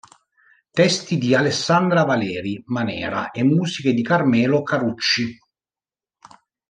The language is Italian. Testi di Alessandra Valeri Manera e musiche di Carmelo Carucci.